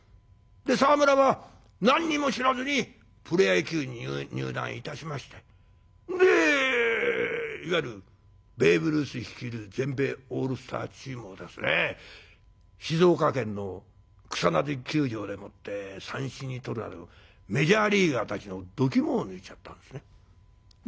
沢村は何にも知らずにプロ野球に入団いたしましてでいわゆるベーブ・ルース率いる全米オールスターチームをですね静岡県の草薙球場でもって三振にとるなどメジャーリーガーたちのどぎもを抜いちゃったんですね。